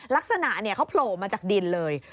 ลักษณะเขาโผล่มาจากดินเลย